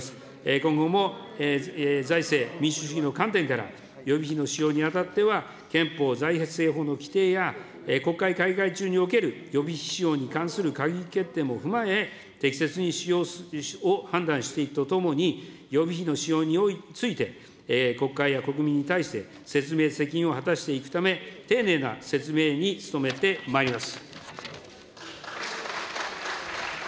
今後も財政民主主義の観点から、予備費の使用にあたっては、憲法財政法のきていや、国会開会中における予備費使用に関する閣議決定も踏まえ、適切に使用を判断していくとともに、予備費の使用について、国会や国民に対して説明責任を果たしていくため、丁寧な説明に努めてまいります。